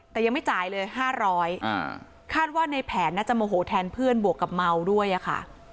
แต่ยังไม่จ่ายเลย๕๐๐คาดว่าในแผนน่าจะโมโหแทนเพื่อนบวกกับเมาด้วยอะค่ะ